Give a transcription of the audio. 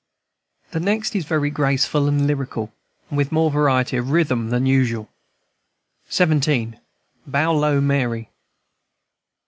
The next is very graceful and lyrical, and with more variety of rhythm than usual: XVII. BOW LOW, MARY.